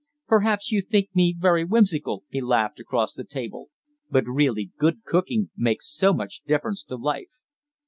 "Perhaps you think me very whimsical," he laughed across the table, "but really, good cooking makes so much difference to life."